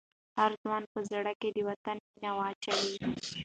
د هر ځوان په زړه کې د وطن مینه واچوئ.